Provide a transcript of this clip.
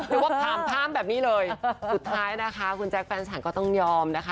เรียกว่าถามข้ามแบบนี้เลยสุดท้ายนะคะคุณแจ๊คแฟนฉันก็ต้องยอมนะคะ